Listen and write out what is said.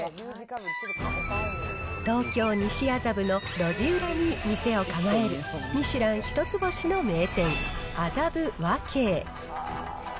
東京・西麻布の路地裏に店を構える、ミシュラン一つ星の名店、麻布和敬。